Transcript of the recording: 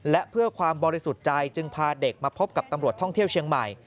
และเพื่อความบริสุทธิ์ใจจึงพาเด็กมาพบกับตำรวจท่องเที่ยวเชียงใหม่